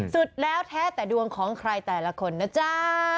สุดแล้วแท้แต่ดวงของใครแต่ละคนนะจ๊ะ